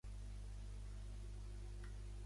Em dic Rocío Hamed: hac, a, ema, e, de.